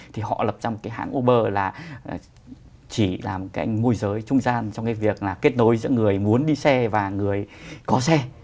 thì họ lập ra một cái hãng uber là chỉ làm cái môi giới trung gian trong cái việc là kết nối giữa người muốn đi xe và người có xe